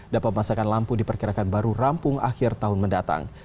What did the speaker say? dapat masakan lampu diperkirakan baru rampung akhir tahun mendatang